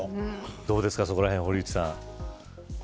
どうですかそこらへん堀内さん。